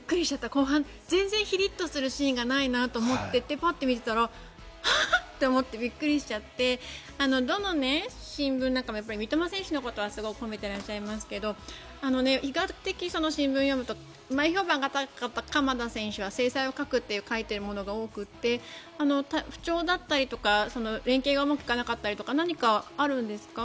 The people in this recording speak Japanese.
後半、全然ヒリッとするシーンがないなと思っていてパッと見ていたらあっ！って思ってびっくりしちゃってどの新聞三笘選手のことは褒めてらっしゃいますが新聞を読むと前評判が高かった鎌田選手は精彩を欠くって書いているものが多くて不調だったり連係がうまくいかなかったりとか何かあるんですか。